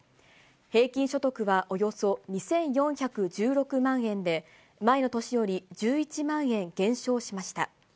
平均所得は、およそ２４１６万円で、前の年より１１万円減少しました。